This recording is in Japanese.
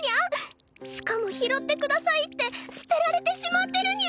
しかも「ひろって下さい」って捨てられてしまってるにゃ！